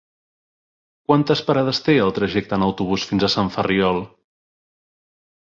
Quantes parades té el trajecte en autobús fins a Sant Ferriol?